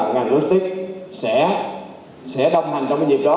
ngành logistics sẽ đồng hành trong cái việc đó